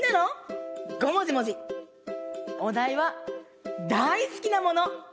おだいはだいすきなもの。